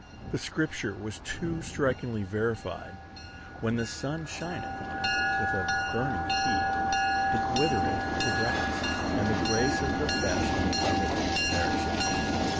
the Scripture was too strikingly verified: "When the sun shineth on it with a burning heat, it withereth the grass, and the grace of the fashion of it perisheth."